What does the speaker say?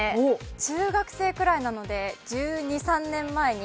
中学生くらいなので１２１３年前に。